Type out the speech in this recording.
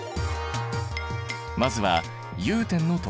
まずは融点の特徴から。